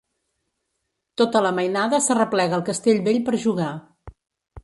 Tota la mainada s'arreplega al castell vell per jugar.